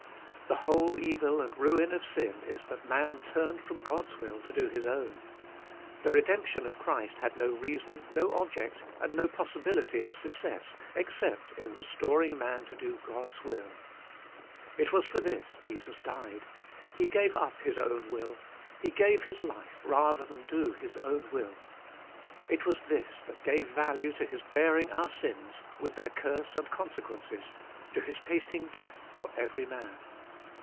The whole evil and ruin of sin is that man turned from God's will to do his own. The redemption of Christ had no reason, no object, and no possibility of success, except in restoring man to do God's will. It was for this Jesus died. He gave up His own will ; He gave His life, rather than do His own will. It was this that gave value to His bearing our sins, with their curse and consequences, to His tasting death for every man.